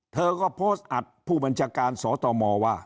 เธอก็โพสต์อัดผู้บัญชาการสตมว่า